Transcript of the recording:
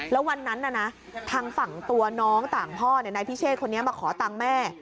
แล้ววันนั้นทางฝั่งตัวน้องต่างพ่อนายพิเชษคนนี้มาขอตังค์แม่